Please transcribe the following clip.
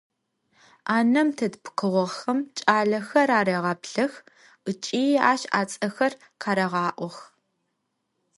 Ӏанэм тет пкъыгъохэм кӏалэхэр арегъэплъых ыкӏи ащ ацӏэхэр къарегъаӏох.